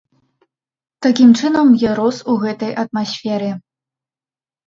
Такім чынам, я рос у гэтай атмасферы.